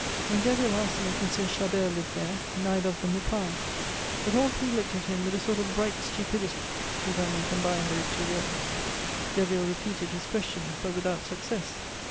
When Derville asked them if M. Chabert lived there, neither of them replied, but all three looked at him with a sort of bright stupidity, if I may combine those two words. Derville repeated his questions, but without success.